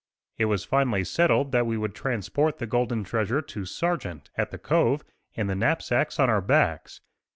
* It was finally settled that we would transport the golden treasure to Sargent, at the cove, in the knapsacks on our backs.